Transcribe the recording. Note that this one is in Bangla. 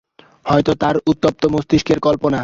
হয়তো তাঁর উত্তপ্ত মস্তিষ্কের কল্পনা।